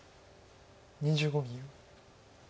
２５秒。